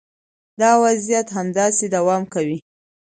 دا وضعیت همداسې دوام کوي